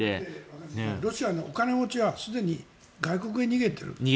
ロシアのお金持ちたちはすでに外国に逃げている。